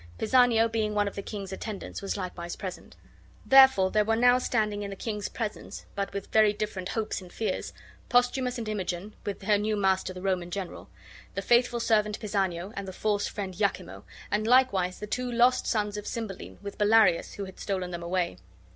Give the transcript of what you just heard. Pisanio, being one of the king's attendants, was likewise present. Therefore there were now standing in the king's presence (but with very different hopes and fears) Posthumus and Imogen, with her new master the Roman general; the faithful servant Pisanio and the false friend Iachimo; and likewise the two lost sons of Cymbeline, with Bellarius, who had stolen them away.